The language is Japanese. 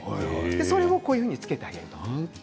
それをこういうふうにつけてあげる。